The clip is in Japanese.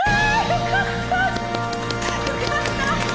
よかった！